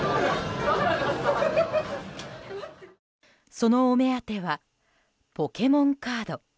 そのお目当てはポケモンカード。